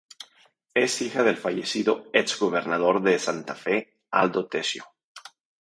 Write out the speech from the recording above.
Es hija del fallecido ex Gobernador de Santa Fe Aldo Tessio.